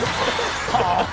はあ！？